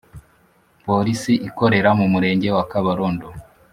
polisi ikorera mu murenge wa kabarondo